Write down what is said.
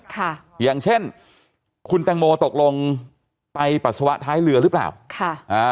ค่ะอย่างเช่นคุณแตงโมตกลงไปปัสสาวะท้ายเรือหรือเปล่าค่ะอ่า